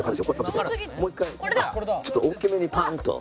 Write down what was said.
もう一回ちょっと大きめにパーン！と。